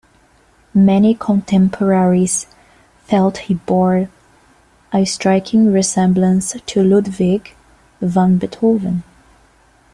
Many contemporaries felt he bore a striking resemblance to Ludwig van Beethoven.